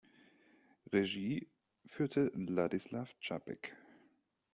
Regie führte Ladislav Čapek.